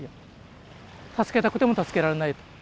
助けたくても助けられないと。